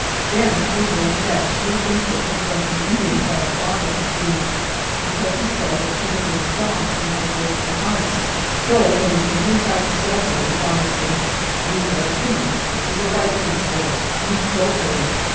Then we learned that she had been taken from an Indian by a farmer at Green Lake because he saw that she had been shod and had worked in harness. So when the Indian tried to sell her the farmer said: "You are a thief. That is a white man's horse. You stole her."